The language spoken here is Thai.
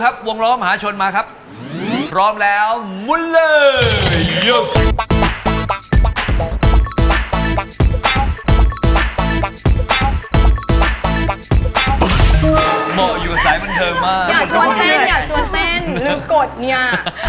อยากชวนเต้นอยากชวนเต้นลืมกดเนี่ย